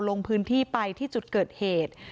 ลงพื้นที่ไปที่จุดเกิดเหตุ